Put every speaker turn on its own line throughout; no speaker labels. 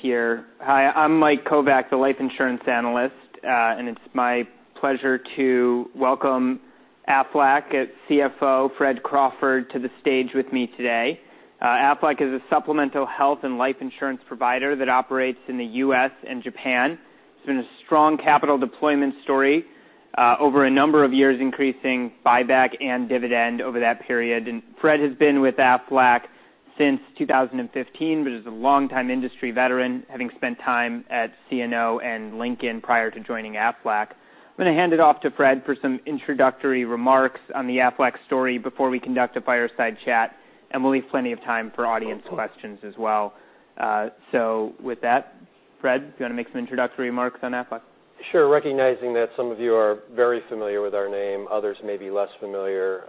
Here. Hi, I'm Mike Kovac, the life insurance analyst, and it's my pleasure to welcome Aflac CFO Fred Crawford to the stage with me today. Aflac is a supplemental health and life insurance provider that operates in the U.S. and Japan. It's been a strong capital deployment story over a number of years, increasing buyback and dividend over that period. Fred has been with Aflac since 2015, but is a longtime industry veteran, having spent time at CNO and Lincoln prior to joining Aflac. I'm going to hand it off to Fred for some introductory remarks on the Aflac story before we conduct a fireside chat, and we'll leave plenty of time for audience questions as well. With that, Fred, do you want to make some introductory remarks on Aflac?
Sure. Recognizing that some of you are very familiar with our name, others may be less familiar,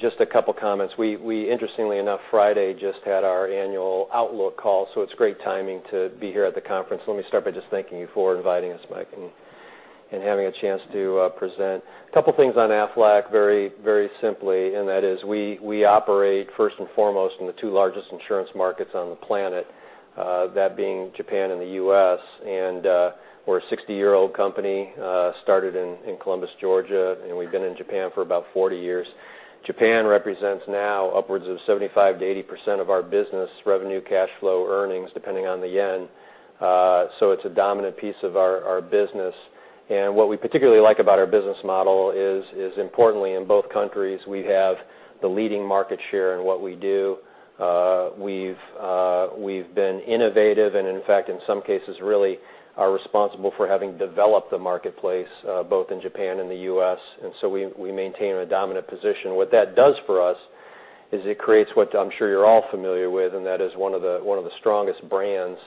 just a couple of comments. We, interestingly enough, Friday just had our annual outlook call. It's great timing to be here at the conference. Let me start by just thanking you for inviting us, Mike, and having a chance to present. A couple of things on Aflac very simply. We operate first and foremost in the two largest insurance markets on the planet, that being Japan and the U.S. We're a 60-year-old company, started in Columbus, Georgia, and we've been in Japan for about 40 years. Japan represents now upwards of 75%-80% of our business revenue cash flow earnings, depending on the JPY. It's a dominant piece of our business. What we particularly like about our business model is importantly, in both countries, we have the leading market share in what we do. We've been innovative and, in fact, in some cases, really are responsible for having developed the marketplace both in Japan and the U.S. We maintain a dominant position. What that does for us is it creates what I'm sure you're all familiar with, one of the strongest brands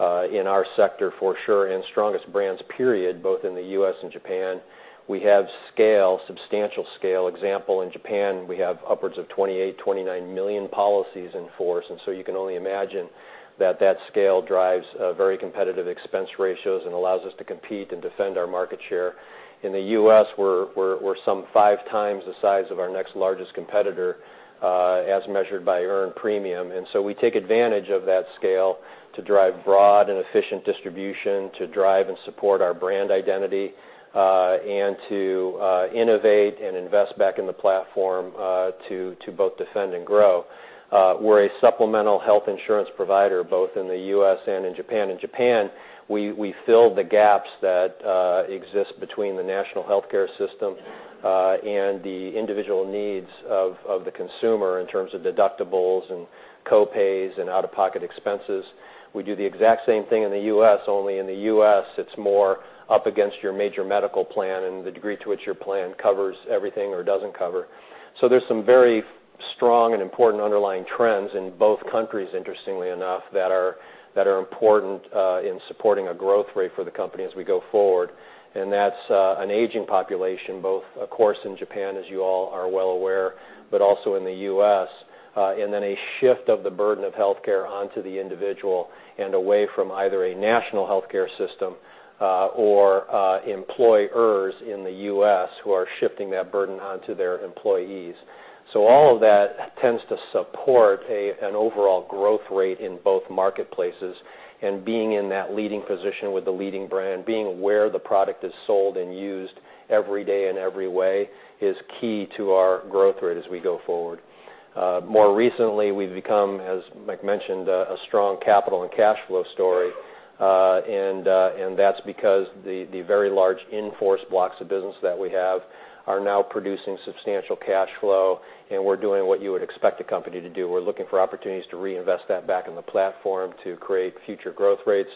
in our sector for sure, and strongest brands period, both in the U.S. and Japan. We have scale, substantial scale. Example, in Japan, we have upwards of 28, 29 million policies in force, and you can only imagine that that scale drives very competitive expense ratios and allows us to compete and defend our market share. In the U.S., we're some five times the size of our next largest competitor, as measured by earned premium. We take advantage of that scale to drive broad and efficient distribution, to drive and support our brand identity, and to innovate and invest back in the platform, to both defend and grow. We're a supplemental health insurance provider both in the U.S. and in Japan. In Japan, we fill the gaps that exist between the national healthcare system and the individual needs of the consumer in terms of deductibles and co-pays and out-of-pocket expenses. We do the exact same thing in the U.S., only in the U.S. it's more up against your major medical plan and the degree to which your plan covers everything or doesn't cover. There's some very strong and important underlying trends in both countries, interestingly enough, that are important in supporting a growth rate for the company as we go forward. That's an aging population, both of course in Japan, as you all are well aware, but also in the U.S., and then a shift of the burden of healthcare onto the individual and away from either a national healthcare system or employers in the U.S. who are shifting that burden onto their employees. All of that tends to support an overall growth rate in both marketplaces, and being in that leading position with the leading brand, being where the product is sold and used every day in every way is key to our growth rate as we go forward. More recently, we've become, as Mike mentioned, a strong capital and cash flow story. That's because the very large in-force blocks of business that we have are now producing substantial cash flow. We're doing what you would expect a company to do. We're looking for opportunities to reinvest that back in the platform to create future growth rates,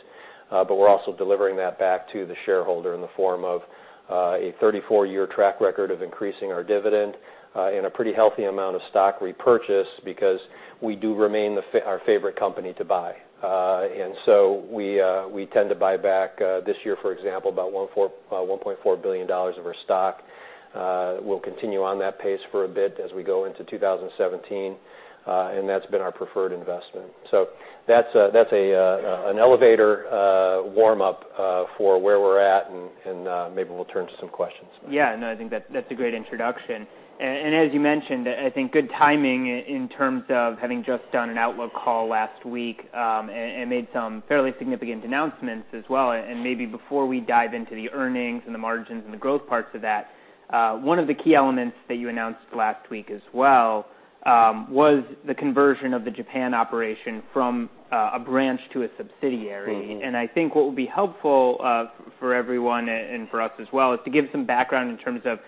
but we're also delivering that back to the shareholder in the form of a 34-year track record of increasing our dividend and a pretty healthy amount of stock repurchase because we do remain our favorite company to buy. We tend to buy back, this year, for example, about $1.4 billion of our stock. We'll continue on that pace for a bit as we go into 2017. That's been our preferred investment. That's an elevator warm-up for where we're at, and maybe we'll turn to some questions.
Yeah, no, I think that's a great introduction. As you mentioned, I think good timing in terms of having just done an outlook call last week, made some fairly significant announcements as well. Maybe before we dive into the earnings and the margins and the growth parts of that, one of the key elements that you announced last week as well was the conversion of the Japan operation from a branch to a subsidiary. I think what will be helpful for everyone and for us as well is to give some background in terms of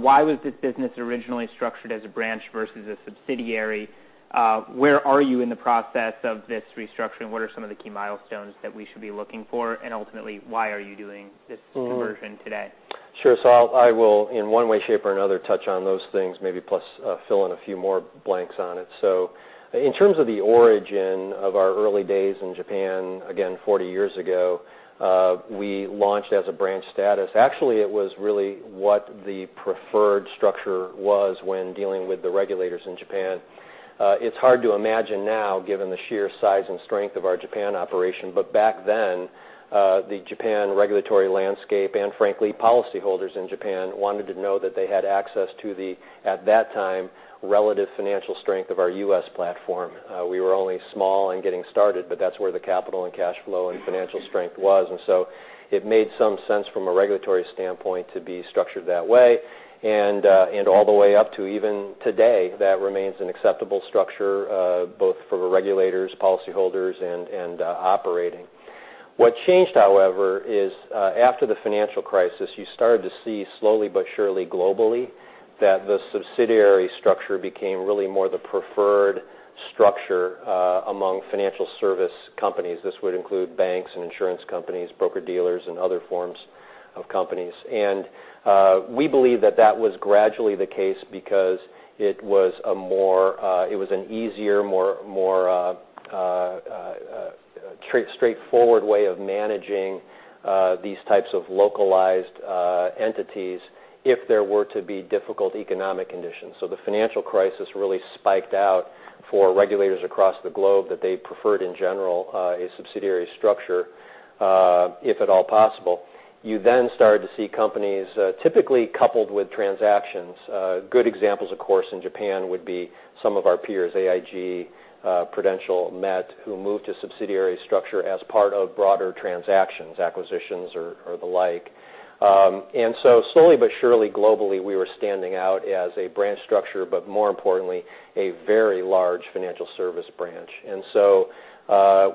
why was this business originally structured as a branch versus a subsidiary? Where are you in the process of this restructuring? What are some of the key milestones that we should be looking for? Ultimately, why are you doing this conversion today?
I will, in one way, shape, or another, touch on those things, maybe plus fill in a few more blanks on it. In terms of the origin of our early days in Japan, again, 40 years ago, we launched as a branch status. Actually, it was really what the preferred structure was when dealing with the regulators in Japan. It's hard to imagine now given the sheer size and strength of our Japan operation, but back then, the Japan regulatory landscape and frankly, policyholders in Japan wanted to know that they had access to the, at that time, relative financial strength of our U.S. platform. We were only small and getting started, but that's where the capital and cash flow and financial strength was. It made some sense from a regulatory standpoint to be structured that way, and all the way up to even today, that remains an acceptable structure both for regulators, policyholders, and operating. What changed, however, is after the financial crisis, you started to see slowly but surely globally, that the subsidiary structure became really more the preferred structure among financial service companies. This would include banks and insurance companies, broker-dealers and other forms of companies. We believe that that was gradually the case because it was an easier, more straightforward way of managing these types of localized entities if there were to be difficult economic conditions. The financial crisis really spiked out for regulators across the globe that they preferred, in general, a subsidiary structure if at all possible. You started to see companies, typically coupled with transactions. Good examples, of course, in Japan would be some of our peers, AIG, Prudential, Met, who moved to subsidiary structure as part of broader transactions, acquisitions or the like. Slowly but surely globally, we were standing out as a branch structure, but more importantly, a very large financial service branch.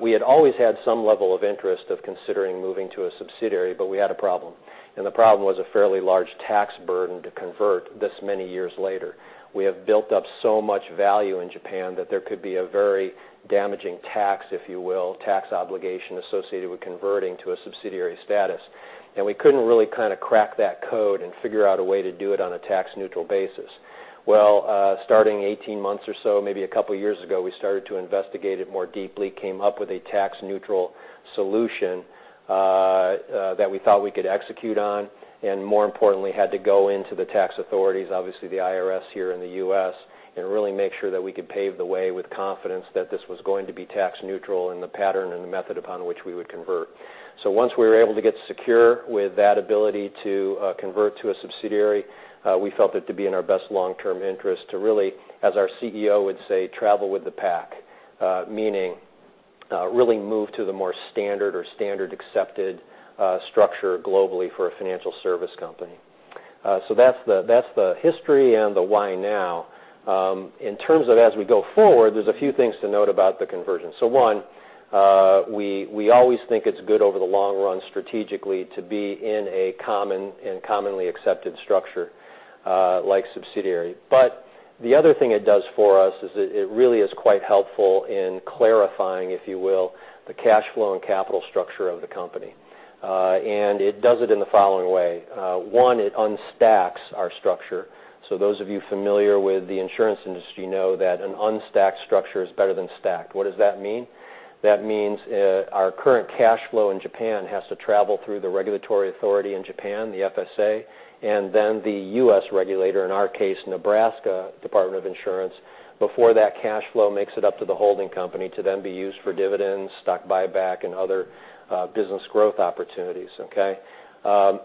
We had always had some level of interest of considering moving to a subsidiary, but we had a problem, and the problem was a fairly large tax burden to convert this many years later. We have built up so much value in Japan that there could be a very damaging tax, if you will, tax obligation associated with converting to a subsidiary status. We couldn't really crack that code and figure out a way to do it on a tax-neutral basis. Starting 18 months or so, maybe a couple of years ago, we started to investigate it more deeply, came up with a tax-neutral solution that we thought we could execute on, and more importantly, had to go into the tax authorities, obviously the IRS here in the U.S., and really make sure that we could pave the way with confidence that this was going to be tax neutral in the pattern and the method upon which we would convert. Once we were able to get secure with that ability to convert to a subsidiary, we felt it to be in our best long-term interest to really, as our CEO would say, travel with the pack, meaning really move to the more standard or standard accepted structure globally for a financial service company. That's the history and the why now. In terms of as we go forward, there's a few things to note about the conversion. One, we always think it's good over the long run strategically to be in a common and commonly accepted structure, like subsidiary. The other thing it does for us is it really is quite helpful in clarifying, if you will, the cash flow and capital structure of the company. It does it in the following way. One, it unstacks our structure. Those of you familiar with the insurance industry know that an unstacked structure is better than stacked. What does that mean? That means our current cash flow in Japan has to travel through the regulatory authority in Japan, the FSA, and then the U.S. regulator, in our case, Nebraska Department of Insurance, before that cash flow makes it up to the holding company to then be used for dividends, stock buyback, and other business growth opportunities. Okay?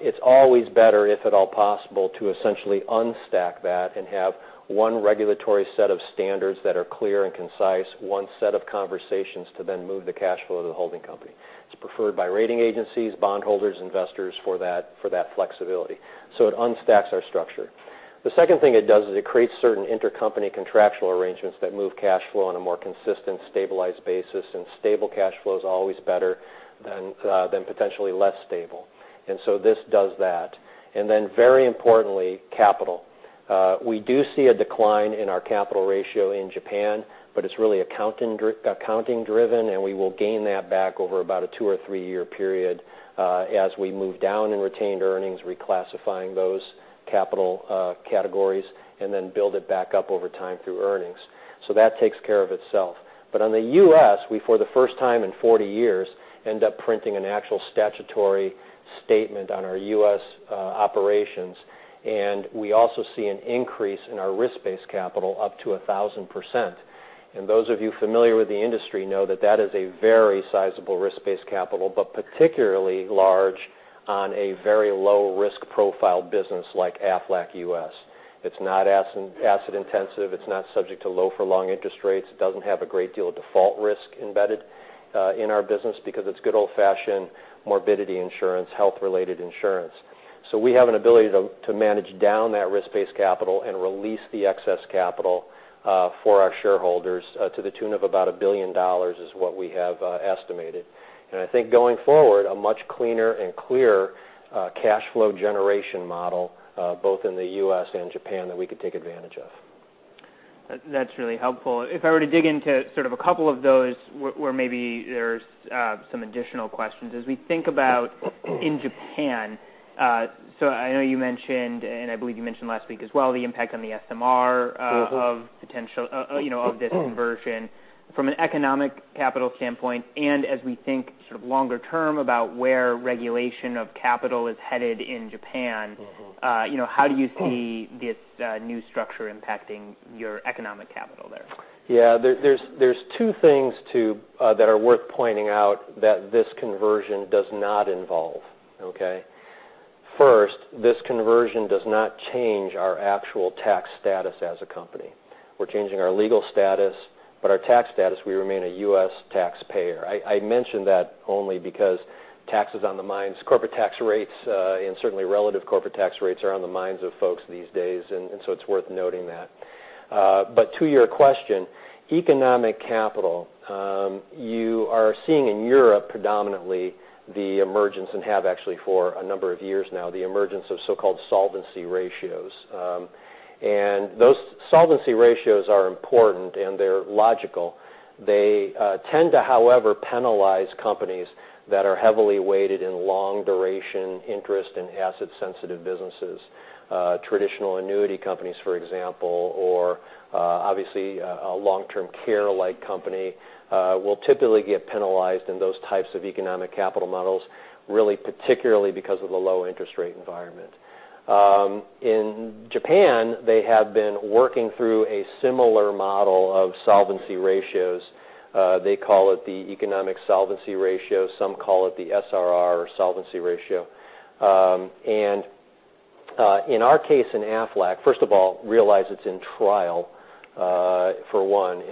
It's always better, if at all possible, to essentially unstack that and have one regulatory set of standards that are clear and concise, one set of conversations to then move the cash flow to the holding company. It's preferred by rating agencies, bondholders, investors for that flexibility. It unstacks our structure. The second thing it does is it creates certain intercompany contractual arrangements that move cash flow on a more consistent, stabilized basis, and stable cash flow is always better than potentially less stable. This does that. Very importantly, capital. We do see a decline in our capital ratio in Japan, but it's really accounting driven, and we will gain that back over about a two or three-year period as we move down in retained earnings, reclassifying those capital categories, and then build it back up over time through earnings. That takes care of itself. On the U.S., we for the first time in 40 years, end up printing an actual statutory statement on our U.S. operations, and we also see an increase in our risk-based capital up to 1,000%. Those of you familiar with the industry know that that is a very sizable risk-based capital, but particularly large on a very low risk profile business like Aflac U.S. It's not asset intensive, it's not subject to low for long interest rates, it doesn't have a great deal of default risk embedded in our business because it's good old-fashioned morbidity insurance, health-related insurance. We have an ability to manage down that risk-based capital and release the excess capital for our shareholders to the tune of about $1 billion is what we have estimated. I think going forward, a much cleaner and clearer cash flow generation model both in the U.S. and Japan that we could take advantage of.
That's really helpful. If I were to dig into sort of a couple of those where maybe there's some additional questions. As we think about in Japan, I know you mentioned, and I believe you mentioned last week as well, the impact on the SMR of this conversion. From an economic capital standpoint and as we think sort of longer term about where regulation of capital is headed in Japan, how do you see this new structure impacting your economic capital there?
Yeah. There's two things that are worth pointing out that this conversion does not involve. Okay? First, this conversion does not change our actual tax status as a company. We're changing our legal status, but our tax status, we remain a U.S. taxpayer. I mention that only because tax is on the minds, corporate tax rates and certainly relative corporate tax rates are on the minds of folks these days, it's worth noting that. To your question, economic capital, you are seeing in Europe predominantly the emergence, and have actually for a number of years now, the emergence of so-called solvency ratios. Those solvency ratios are important, and they're logical. They tend to, however, penalize companies that are heavily weighted in long duration interest and asset sensitive businesses. Traditional annuity companies, for example, or obviously a long-term care-like company, will typically get penalized in those types of economic capital models, really particularly because of the low interest rate environment. In Japan, they have been working through a similar model of solvency ratios. They call it the Economic Solvency Ratio. Some call it the ESR or solvency ratio. In our case in Aflac, first of all, realize it's in trial, for one.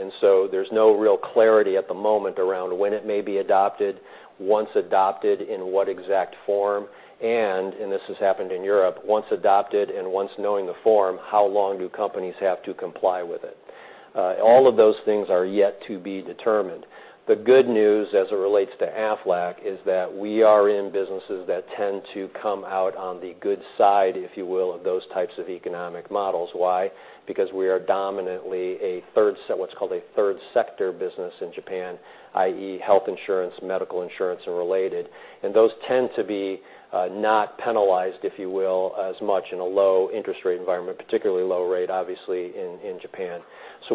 There's no real clarity at the moment around when it may be adopted, once adopted in what exact form, and this has happened in Europe, once adopted and once knowing the form, how long do companies have to comply with it? All of those things are yet to be determined. The good news as it relates to Aflac is that we are in businesses that tend to come out on the good side, if you will, of those types of economic models. Why? Because we are dominantly what's called a third sector business in Japan, i.e. health insurance, medical insurance, and related. Those tend to be not penalized, if you will, as much in a low interest rate environment, particularly low rate, obviously, in Japan.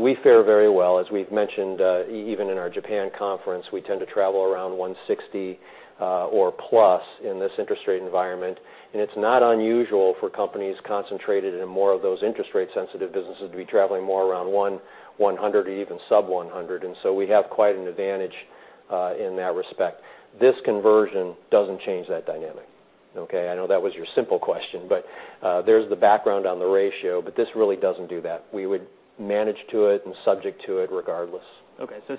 We fare very well. As we've mentioned even in our Japan conference, we tend to travel around 160 or plus in this interest rate environment. It's not unusual for companies concentrated in more of those interest rate sensitive businesses to be traveling more around 100 or even sub 100. We have quite an advantage in that respect. This conversion doesn't change that dynamic. I know that was your simple question, but there's the background on the ratio, this really doesn't do that. We would manage to it and subject to it regardless.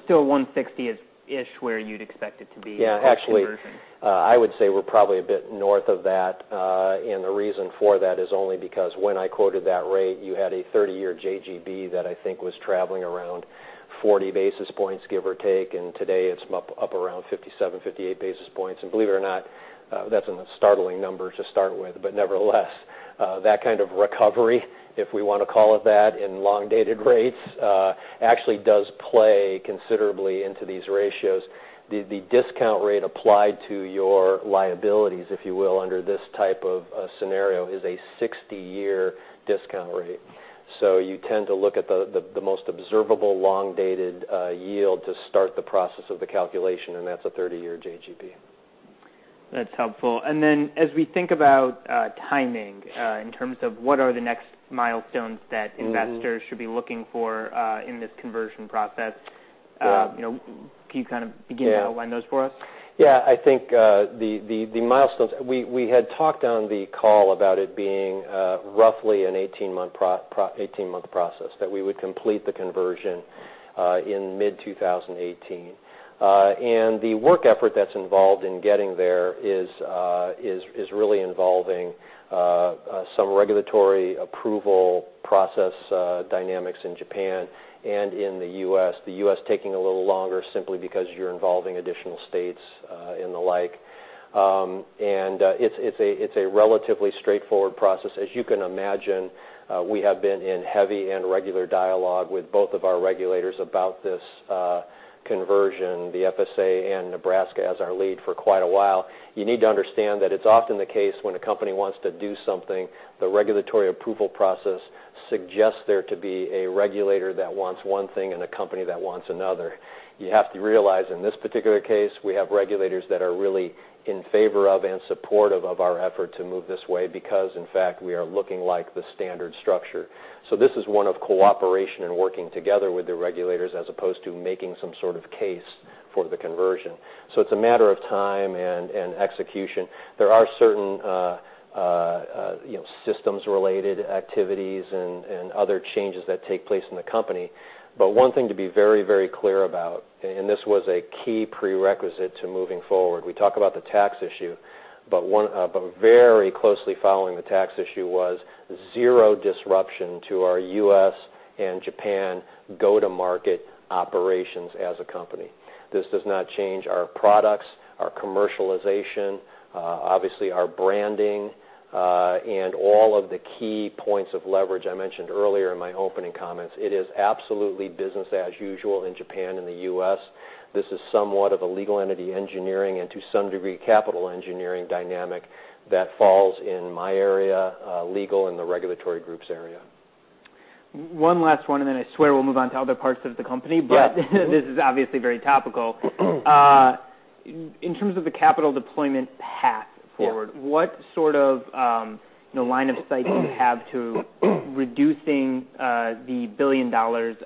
Still 160-ish where you'd expect it to be post conversion.
Actually, I would say we're probably a bit north of that. The reason for that is only because when I quoted that rate, you had a 30-year JGB that I think was traveling around 40 basis points, give or take. Today it's up around 57, 58 basis points. Believe it or not, that's a startling number to start with. Nevertheless, that kind of recovery, if we want to call it that, in long dated rates, actually does play considerably into these ratios. The discount rate applied to your liabilities, if you will, under this type of scenario is a 60-year discount rate. You tend to look at the most observable long dated yield to start the process of the calculation, and that's a 30-year JGB.
That's helpful. As we think about timing in terms of what are the next milestones that investors should be looking for in this conversion process, can you kind of begin to outline those for us?
I think the milestones, we had talked on the call about it being roughly an 18-month process, that we would complete the conversion in mid 2018. The work effort that's involved in getting there is really involving some regulatory approval process dynamics in Japan and in the U.S. The U.S. taking a little longer simply because you're involving additional states and the like. It's a relatively straightforward process. As you can imagine, we have been in heavy and regular dialogue with both of our regulators about this conversion, the FSA and Nebraska as our lead for quite a while. You need to understand that it's often the case when a company wants to do something, the regulatory approval process suggests there to be a regulator that wants one thing and a company that wants another. You have to realize in this particular case, we have regulators that are really in favor of and supportive of our effort to move this way because, in fact, we are looking like the standard structure. This is one of cooperation and working together with the regulators as opposed to making some sort of case for the conversion. It's a matter of time and execution. There are certain systems related activities and other changes that take place in the company. One thing to be very clear about, and this was a key prerequisite to moving forward, we talk about the tax issue, but very closely following the tax issue was zero disruption to our U.S. and Japan go-to-market operations as a company. This does not change our products, our commercialization, obviously our branding, and all of the key points of leverage I mentioned earlier in my opening comments. It is absolutely business as usual in Japan and the U.S. This is somewhat of a legal entity engineering and to some degree capital engineering dynamic that falls in my area, legal and the regulatory group's area.
One last one, then I swear we'll move on to other parts of the company.
Yeah.
this is obviously very topical. In terms of the capital deployment path forward.
Yeah
What sort of line of sight do you have to reducing the $1 billion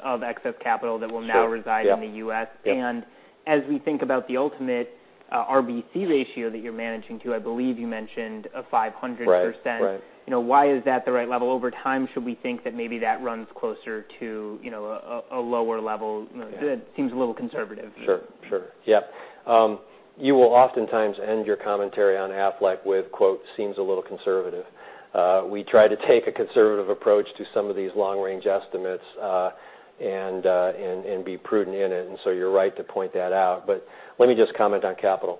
of excess capital that will now reside,
Sure. Yeah
in the U.S.?
Yeah.
As we think about the ultimate RBC ratio that you're managing to, I believe you mentioned 500%.
Right.
Why is that the right level? Over time, should we think that maybe that runs closer to a lower level?
Yeah.
That seems a little conservative.
Sure. Yeah. You will oftentimes end your commentary on Aflac with quote, "Seems a little conservative." We try to take a conservative approach to some of these long-range estimates, and be prudent in it, you're right to point that out. Let me just comment on capital.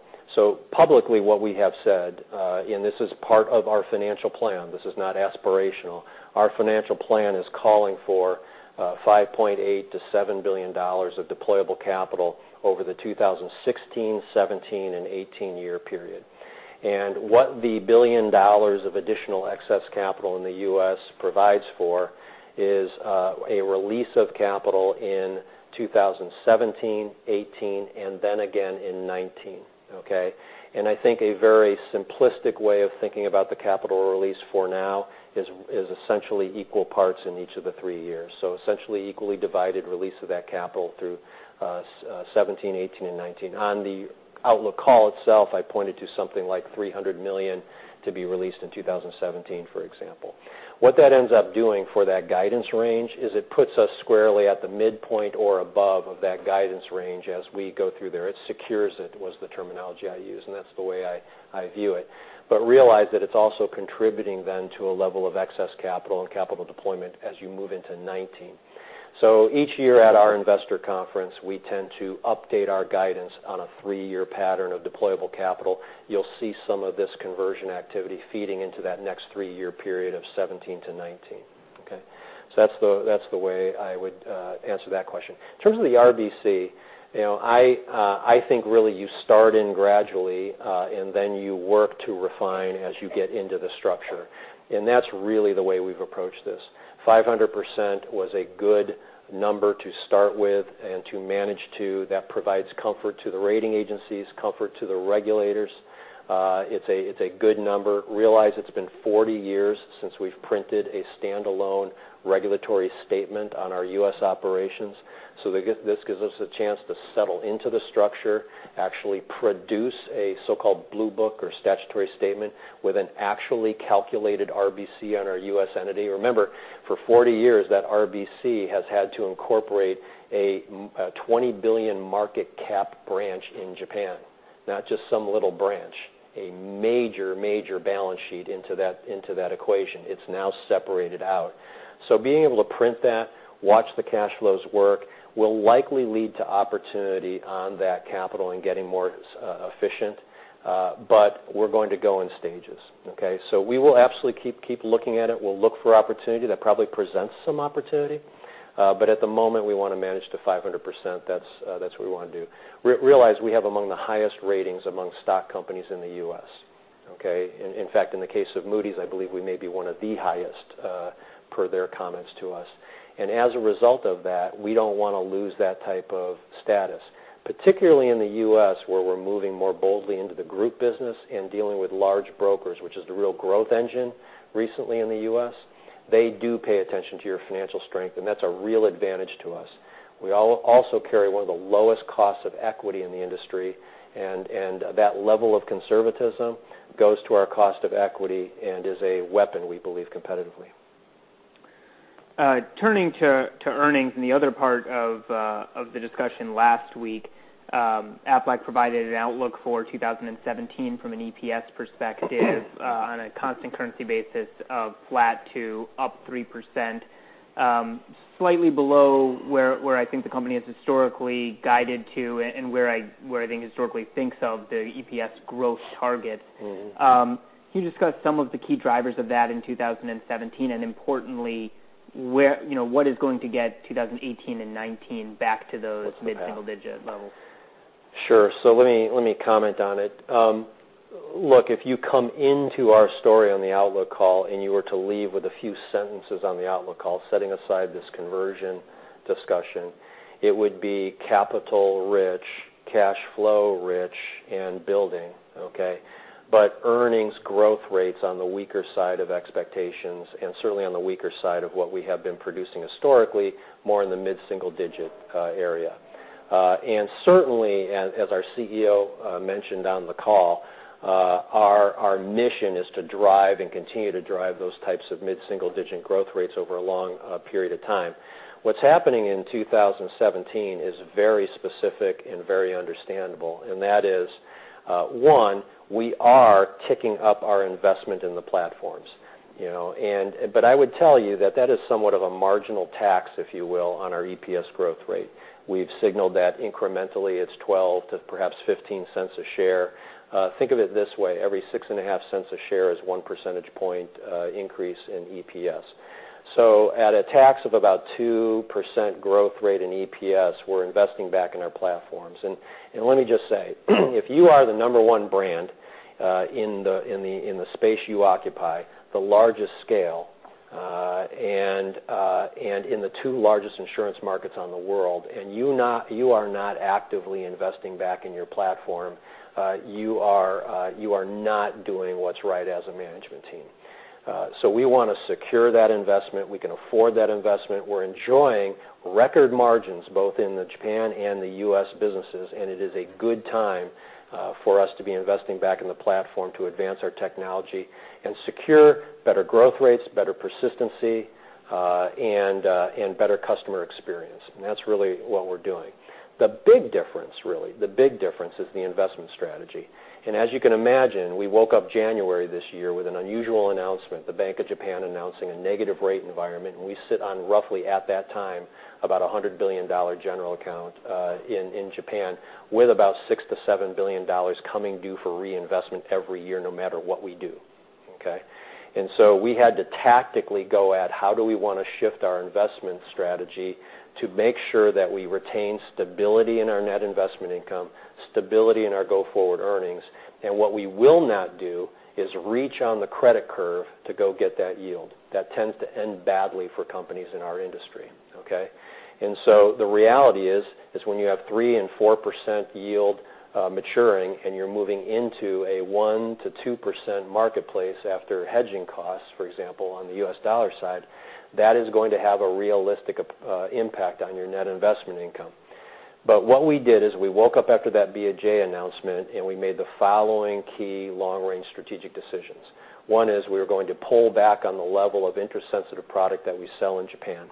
Publicly, what we have said, and this is part of our financial plan, this is not aspirational, our financial plan is calling for $5.8 billion-$7 billion of deployable capital over the 2016, 2017, and 2018 year period. What the $1 billion of additional excess capital in the U.S. provides for is a release of capital in 2017, 2018, and then again in 2019. Okay? I think a very simplistic way of thinking about the capital release for now is essentially equal parts in each of the three years. Essentially, equally divided release of that capital through 2017, 2018, and 2019. On the outlook call itself, I pointed to something like $300 million to be released in 2017, for example. What that ends up doing for that guidance range is it puts us squarely at the midpoint or above of that guidance range as we go through there. It secures it, was the terminology I used, and that's the way I view it. Realize that it's also contributing then to a level of excess capital and capital deployment as you move into 2019. Each year at our investor conference, we tend to update our guidance on a three-year pattern of deployable capital. You'll see some of this conversion activity feeding into that next three-year period of 2017 to 2019. Okay? That's the way I would answer that question. In terms of the RBC, I think really you start in gradually, then you work to refine as you get into the structure. That's really the way we've approached this. 500% was a good number to start with and to manage to. That provides comfort to the rating agencies, comfort to the regulators. It's a good number. Realize it's been 40 years since we've printed a standalone regulatory statement on our U.S. operations, so this gives us a chance to settle into the structure, actually produce a so-called Blue Book or statutory statement with an actually calculated RBC on our U.S. entity. Remember, for 40 years, that RBC has had to incorporate a $20 billion market cap branch in Japan. Not just some little branch, a major balance sheet into that equation. It's now separated out. Being able to print that, watch the cash flows work, will likely lead to opportunity on that capital and getting more efficient. We're going to go in stages. Okay? We will absolutely keep looking at it. We'll look for opportunity. That probably presents some opportunity. At the moment, we want to manage to 500%. That's what we want to do. Realize we have among the highest ratings among stock companies in the U.S. Okay? In fact, in the case of Moody's, I believe we may be one of the highest, per their comments to us. As a result of that, we don't want to lose that type of status, particularly in the U.S., where we're moving more boldly into the group business and dealing with large brokers, which is the real growth engine recently in the U.S. They do pay attention to your financial strength, that's a real advantage to us. We also carry one of the lowest costs of equity in the industry, that level of conservatism goes to our cost of equity and is a weapon, we believe, competitively.
Turning to earnings and the other part of the discussion last week, Aflac provided an outlook for 2017 from an EPS perspective on a constant currency basis of flat to up 3%, slightly below where I think the company has historically guided to and where I think it historically thinks of the EPS growth target. Can you discuss some of the key drivers of that in 2017, and importantly, what is going to get 2018 and 2019 back to those mid-single digit levels?
Sure. Let me comment on it. Look, if you come into our story on the outlook call, you were to leave with a few sentences on the outlook call, setting aside this conversion discussion, it would be capital rich, cash flow rich, and building. Okay? Earnings growth rates on the weaker side of expectations, and certainly on the weaker side of what we have been producing historically, more in the mid-single digit area. Certainly, as our CEO mentioned on the call, our mission is to drive and continue to drive those types of mid-single digit growth rates over a long period of time. What's happening in 2017 is very specific and very understandable, and that is, one, we are kicking up our investment in the platforms. I would tell you that that is somewhat of a marginal tax, if you will, on our EPS growth rate. We've signaled that incrementally it's $0.12 to perhaps $0.15 a share. Think of it this way. Every $0.065 a share is one percentage point increase in EPS. At a tax of about 2% growth rate in EPS, we're investing back in our platforms. Let me just say, if you are the number 1 brand in the space you occupy, the largest scale In the two largest insurance markets in the world, and you are not actively investing back in your platform, you are not doing what's right as a management team. We want to secure that investment. We can afford that investment. We're enjoying record margins, both in the Japan and the U.S. businesses, it is a good time for us to be investing back in the platform to advance our technology and secure better growth rates, better persistency, and better customer experience. That's really what we're doing. The big difference, really, the big difference is the investment strategy. As you can imagine, we woke up January this year with an unusual announcement, the Bank of Japan announcing a negative rate environment, we sit on roughly at that time, about $100 billion general account in Japan with about $6 billion to $7 billion coming due for reinvestment every year, no matter what we do. Okay. We had to tactically go at how do we want to shift our investment strategy to make sure that we retain stability in our net investment income, stability in our go-forward earnings. What we will not do is reach on the credit curve to go get that yield. That tends to end badly for companies in our industry. Okay. The reality is when you have 3% and 4% yield maturing, you're moving into a 1% to 2% marketplace after hedging costs, for example, on the U.S. dollar side, that is going to have a realistic impact on your net investment income. What we did is we woke up after that BOJ announcement, we made the following key long-range strategic decisions. One is we are going to pull back on the level of interest-sensitive product that we sell in Japan.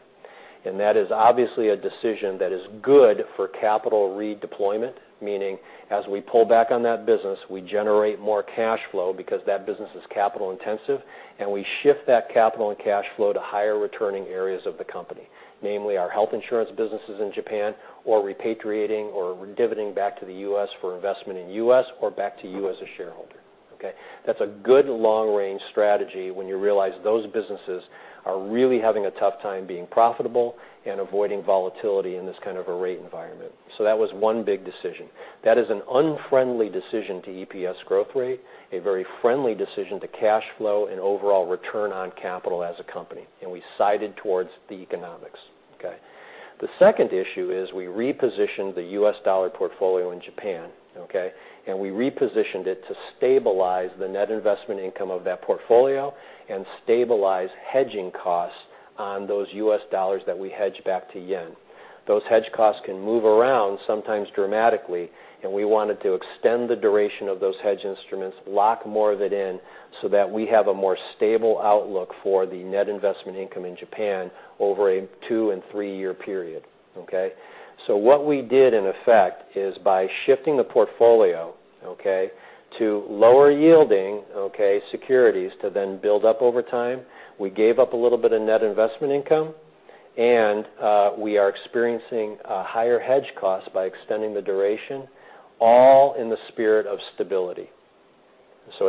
That is obviously a decision that is good for capital redeployment, meaning as we pull back on that business, we generate more cash flow because that business is capital-intensive, we shift that capital and cash flow to higher returning areas of the company, namely our health insurance businesses in Japan, or repatriating or dividending back to the U.S. for investment in U.S. or back to you as a shareholder. Okay. That's a good long-range strategy when you realize those businesses are really having a tough time being profitable and avoiding volatility in this kind of a rate environment. That was one big decision. That is an unfriendly decision to EPS growth rate, a very friendly decision to cash flow and overall return on capital as a company, we sided towards the economics. Okay. The second issue is we repositioned the U.S. dollar portfolio in Japan. Okay. We repositioned it to stabilize the net investment income of that portfolio and stabilize hedging costs on those U.S. dollars that we hedge back to yen. Those hedge costs can move around, sometimes dramatically, we wanted to extend the duration of those hedge instruments, lock more of it in, so that we have a more stable outlook for the net investment income in Japan over a two- and three-year period. Okay. What we did, in effect, is by shifting the portfolio to lower yielding securities to then build up over time, we gave up a little bit of net investment income, we are experiencing a higher hedge cost by extending the duration, all in the spirit of stability.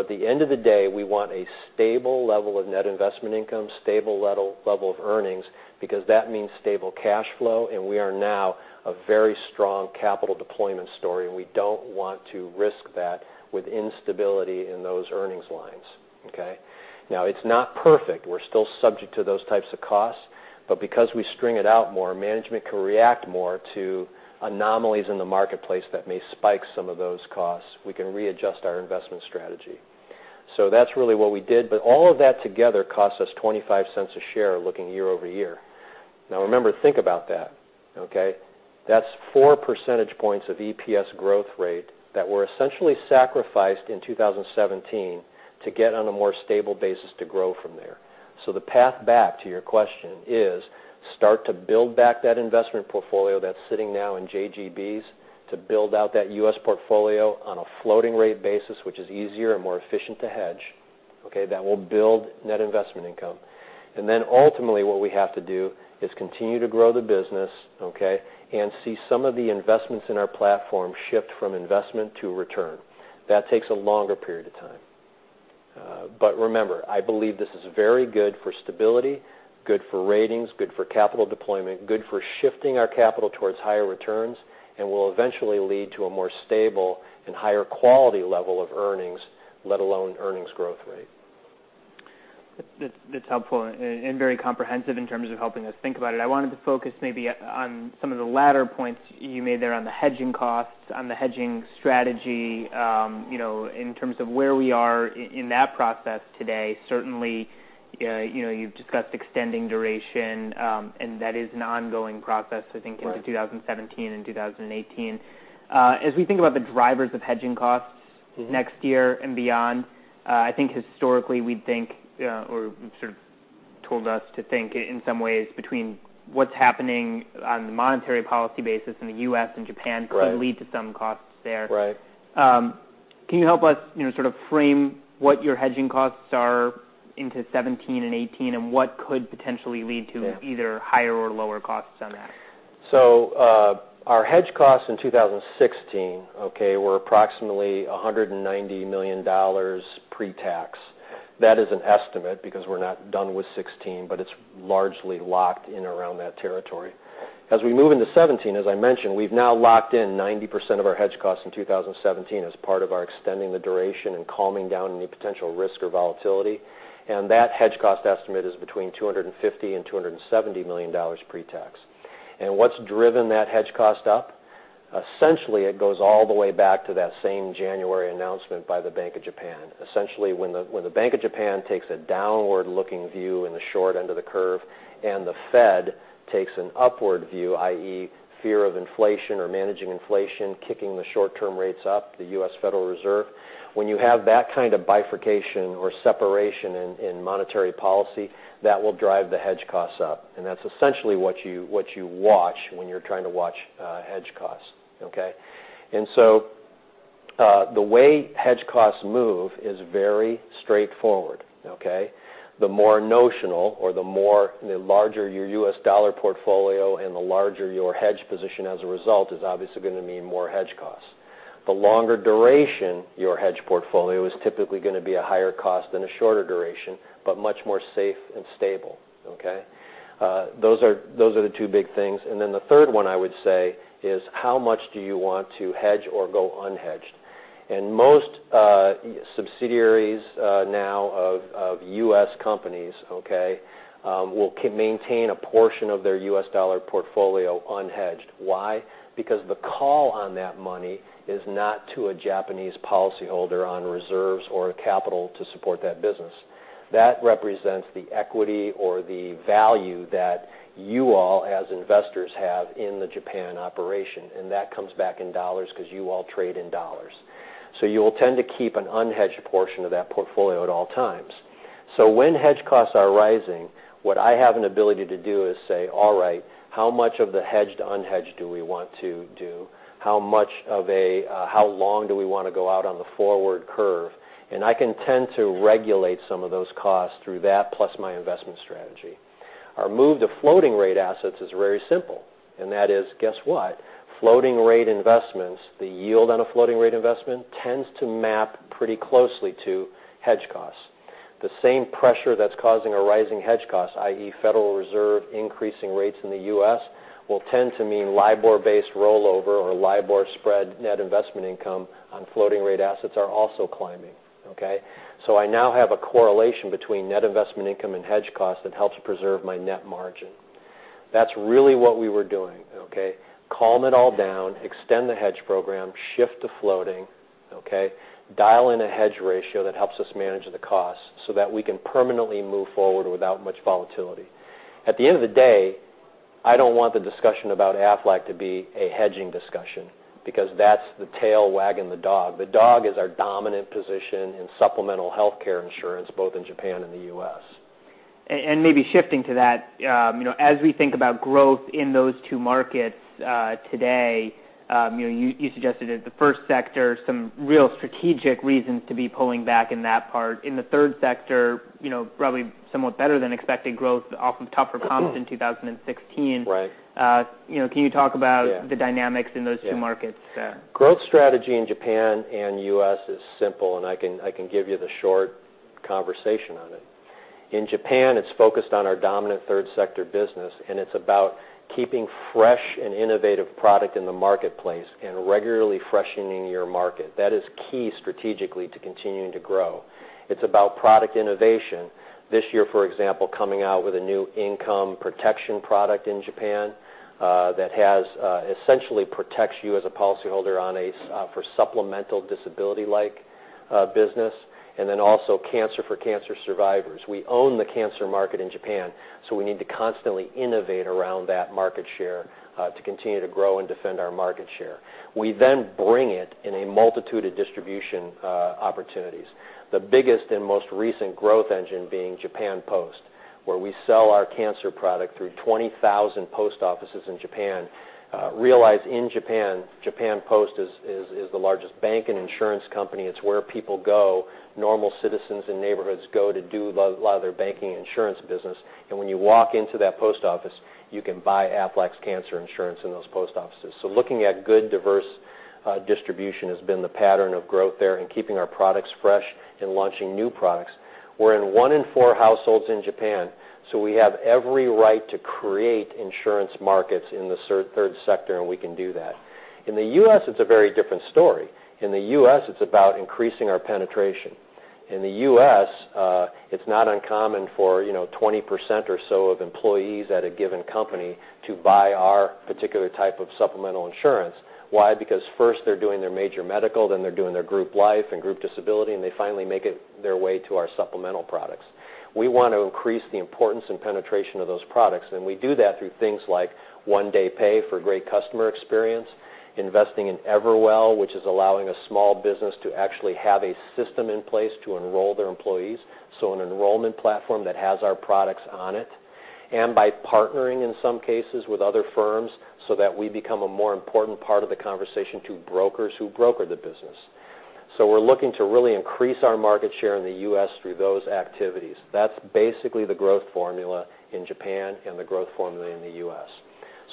At the end of the day, we want a stable level of net investment income, stable level of earnings, because that means stable cash flow, we are now a very strong capital deployment story, we don't want to risk that with instability in those earnings lines. Okay? It's not perfect. We're still subject to those types of costs. Because we string it out more, management can react more to anomalies in the marketplace that may spike some of those costs. We can readjust our investment strategy. That's really what we did. All of that together cost us $0.25 a share looking year-over-year. Remember, think about that. Okay? That's four percentage points of EPS growth rate that were essentially sacrificed in 2017 to get on a more stable basis to grow from there. The path back, to your question is, start to build back that investment portfolio that's sitting now in JGBs to build out that U.S. portfolio on a floating rate basis, which is easier and more efficient to hedge. That will build net investment income. Ultimately what we have to do is continue to grow the business and see some of the investments in our platform shift from investment to return. That takes a longer period of time. Remember, I believe this is very good for stability, good for ratings, good for capital deployment, good for shifting our capital towards higher returns, will eventually lead to a more stable and higher quality level of earnings, let alone earnings growth rate.
That's helpful and very comprehensive in terms of helping us think about it. I wanted to focus maybe on some of the latter points you made there on the hedging costs, on the hedging strategy, in terms of where we are in that process today. Certainly, you've discussed extending duration, that is an ongoing process I think into 2017 and 2018. As we think about the drivers of hedging costs next year and beyond, I think historically we think, or sort of told us to think in some ways between what's happening on the monetary policy basis in the U.S. and Japan could lead to some costs there.
Right.
Can you help us sort of frame what your hedging costs are into 2017 and 2018, what could potentially lead to either higher or lower costs on that?
Our hedge costs in 2016 were approximately $190 million pre-tax. That is an estimate because we're not done with 2016, but it's largely locked in around that territory. As we move into 2017, as I mentioned, we've now locked in 90% of our hedge costs in 2017 as part of our extending the duration and calming down any potential risk or volatility. That hedge cost estimate is between $250 million-$270 million pre-tax. What's driven that hedge cost up? Essentially, it goes all the way back to that same January announcement by the Bank of Japan. Essentially, when the Bank of Japan takes a downward-looking view in the short end of the curve, the Fed takes an upward view, i.e., fear of inflation or managing inflation, kicking the short-term rates up, the Federal Reserve System, when you have that kind of bifurcation or separation in monetary policy, that will drive the hedge costs up. That's essentially what you watch when you're trying to watch hedge costs, okay? The way hedge costs move is very straightforward. The more notional or the larger your U.S. dollar portfolio and the larger your hedge position as a result is obviously going to mean more hedge costs. The longer duration your hedge portfolio is typically going to be a higher cost than a shorter duration, but much more safe and stable, okay? Those are the two big things. The third one, I would say, is how much do you want to hedge or go unhedged? Most subsidiaries now of U.S. companies will maintain a portion of their U.S. dollar portfolio unhedged. Why? Because the call on that money is not to a Japanese policyholder on reserves or capital to support that business. That represents the equity or the value that you all, as investors, have in the Japan operation, and that comes back in dollars because you all trade in dollars. You'll tend to keep an unhedged portion of that portfolio at all times. When hedge costs are rising, what I have an ability to do is say, all right, how much of the hedged unhedged do we want to do? How long do we want to go out on the forward curve? I can tend to regulate some of those costs through that, plus my investment strategy. Our move to floating rate assets is very simple, and that is, guess what? Floating rate investments, the yield on a floating rate investment tends to map pretty closely to hedge costs. The same pressure that's causing a rising hedge cost, i.e., Federal Reserve increasing rates in the U.S., will tend to mean LIBOR-based rollover or LIBOR spread net investment income on floating rate assets are also climbing, okay? I now have a correlation between net investment income and hedge cost that helps preserve my net margin. That's really what we were doing, okay? Calm it all down, extend the hedge program, shift to floating, dial in a hedge ratio that helps us manage the cost so that we can permanently move forward without much volatility. At the end of the day, I don't want the discussion about Aflac to be a hedging discussion because that's the tail wagging the dog. The dog is our dominant position in supplemental health insurance, both in Japan and the U.S.
Maybe shifting to that, as we think about growth in those two markets today, you suggested that the first sector, some real strategic reasons to be pulling back in that part. In the third sector, probably somewhat better than expected growth off of tougher comps in 2016.
Right.
Can you talk about the dynamics in those two markets?
Growth strategy in Japan and U.S. is simple, and I can give you the short conversation on it. In Japan, it's focused on our dominant third sector business, and it's about keeping fresh and innovative product in the marketplace and regularly freshening your market. That is key strategically to continuing to grow. It's about product innovation. This year, for example, coming out with a new income protection product in Japan that essentially protects you as a policyholder on a for supplemental disability-like business, and then also cancer for cancer survivors. We own the cancer market in Japan, so we need to constantly innovate around that market share to continue to grow and defend our market share. We then bring it in a multitude of distribution opportunities. The biggest and most recent growth engine being Japan Post, where we sell our cancer product through 20,000 post offices in Japan. Realize in Japan Post is the largest bank and insurance company. It's where people go, normal citizens in neighborhoods go to do a lot of their banking insurance business. When you walk into that post office, you can buy Aflac's cancer insurance in those post offices. Looking at good, diverse distribution has been the pattern of growth there and keeping our products fresh and launching new products. We're in one in four households in Japan. We have every right to create insurance markets in the third sector, and we can do that. In the U.S., it's a very different story. In the U.S., it's about increasing our penetration. In the U.S., it's not uncommon for 20% or so of employees at a given company to buy our particular type of supplemental insurance. Why? First they're doing their major medical, then they're doing their group life and group disability, they finally make their way to our supplemental products. We want to increase the importance and penetration of those products. We do that through things like One Day Pay for great customer experience, investing in Everwell, which is allowing a small business to actually have a system in place to enroll their employees, an enrollment platform that has our products on it. By partnering, in some cases, with other firms so that we become a more important part of the conversation to brokers who broker the business. We're looking to really increase our market share in the U.S. through those activities. That's basically the growth formula in Japan and the growth formula in the U.S.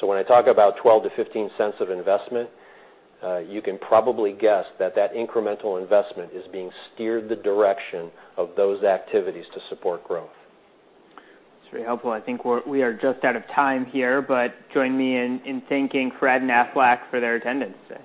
When I talk about $0.12 to $0.15 of investment, you can probably guess that that incremental investment is being steered the direction of those activities to support growth.
That's very helpful. I think we are just out of time here. Join me in thanking Fred and Aflac for their attendance today.